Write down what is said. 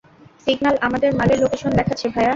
Signal আমাদের মালের location দেখাচ্ছে, ভায়া।